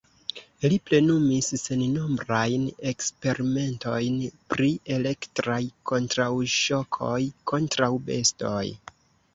Li plenumis sennombrajn eksperimentojn pri elektraj kontraŭŝokoj kontraŭ bestoj.